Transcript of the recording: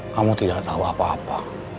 kamu tidak tahu apa apa